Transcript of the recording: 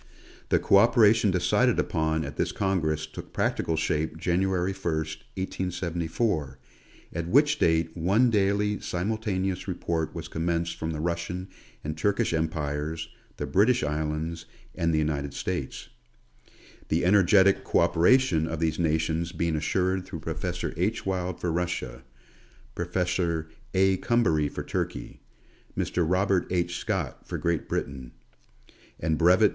The co operation de cided upon at this congress took practical shape January 1, 18*74, at which date one daily simultaneous report was commenced from the Russian and Turkish Empires, the British Islands, and the United States : the energetic co operation of these nations being assured through Professor H. Wild for Russia ; Professor A. Coumbary for Turkey ; Mr. Robert H. Scott for Great Britain ; and Bvt.